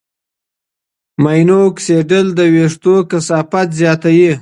ماینوکسیډیل د وېښتو کثافت زیاتوي.